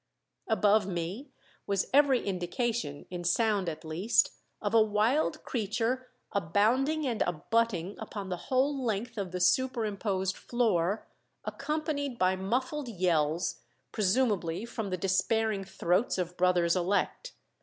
Above me was every indication, in sound at least, of a wild creature "abounding and abutting" upon the whole length of the superimposed floor, accompanied by muffled yells, presumably from the despairing throats of brothers elect.